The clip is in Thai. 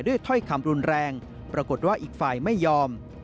ถ้อยคำรุนแรงปรากฏว่าอีกฝ่ายไม่ยอม